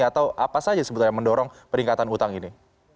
atau apa saja sebetulnya yang mendorong peringkatan utang ini